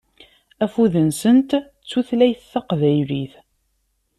Afud-nsent d tutlayt taqbaylit.